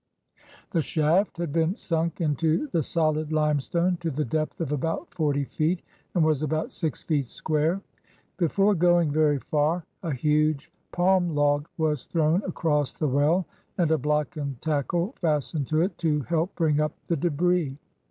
The shaft had been sunk into the solid limestone to the depth of about forty feet, and was about six feet square. Before going very far, a huge palm log was thrown across the well and a block and tackle fastened to it to help bring up the debris.